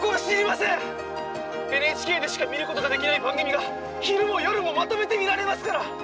ＮＨＫでしか見ることができない番組が昼も夜もまとめて見られますから！